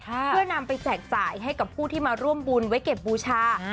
เพื่อนำไปแจกจ่ายให้กับผู้ที่มาร่วมบุญไว้เก็บบูชา